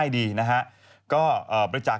ดีนะฮะก็บริจาค